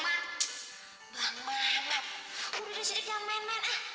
bang mama sudah sudah siddiq jangan main main